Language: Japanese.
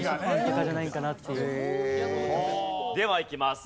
ではいきます。